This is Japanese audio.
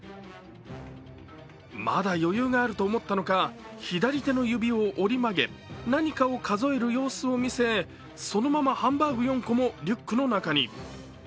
まだ余裕があると思ったのか、左手の指を折り曲げ、何かを数える様子を見せ、そのままハンバーグ４個もリュックの中に。